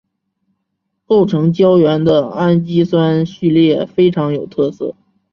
构成胶原的氨基酸序列非常有特色。